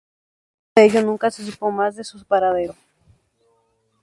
Luego de ello nunca se supo más nada de su paradero.